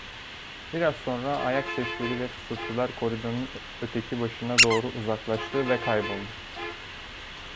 Biraz sonra ayak sesleri ve fısıltılar koridorun öteki başına doğru uzaklaştı ve kayboldu.